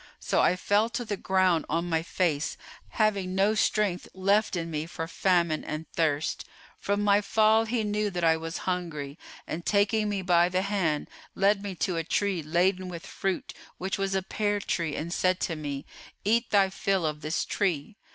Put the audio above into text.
So I fell to the ground on my face, having no strength left in me for famine and thirst. From my fall he knew that I was hungry and taking me by the hand, led me to a tree laden with fruit which was a pear tree[FN#436] and said to me, 'Eat thy fill of this tree.